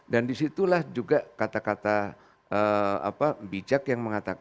dan disitulah juga kata kata bijak yang menarik